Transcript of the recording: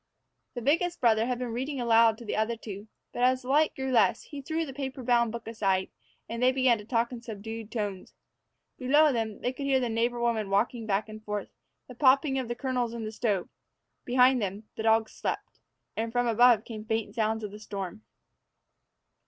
The biggest brother had been reading aloud to the other two; but, as the light grew less, he threw the paper bound book aside, and they began to talk in subdued tones. Below them, they could hear the neighbor woman walking back and forth, and the popping of the kernels in the stove; behind them, the dogs slept; and from above came faint sounds of the storm.